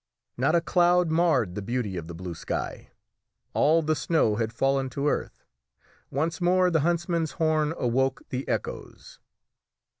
Not a cloud marred the beauty of the blue sky; all the snow had fallen to earth; once more the huntsman's horn awoke the echoes.